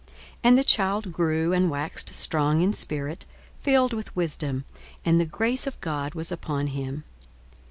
42:002:040 And the child grew, and waxed strong in spirit, filled with wisdom: and the grace of God was upon him.